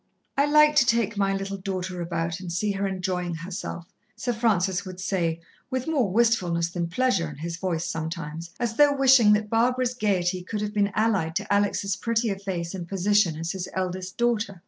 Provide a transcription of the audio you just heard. "I like to take my little daughter about and see her enjoying herself," Sir Francis would say, with more wistfulness than pleasure in his voice sometimes, as though wishing that Barbara's gaiety could have been allied to Alex' prettier face and position as his eldest daughter.